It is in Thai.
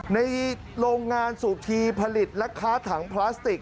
ในโรงงานสุธีผลิตและค้าถังพลาสติก